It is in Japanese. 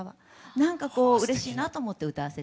なんかこううれしいなと思って歌わせて頂いてます。